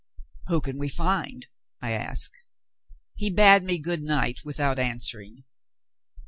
"Who can we find?" I asked. He bade me good night without answering.